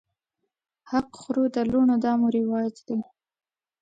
حق خورو د لوڼو دا مو رواج دی